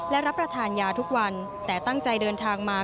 และรับประทานยาทุกวันแต่ตั้งใจเดินทางมา